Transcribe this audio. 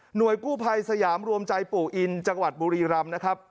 กู้ภัยสยามรวมใจปู่อินจังหวัดบุรีรำนะครับ